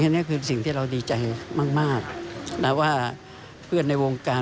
อันนี้คือสิ่งที่เราดีใจมากนะว่าเพื่อนในวงการ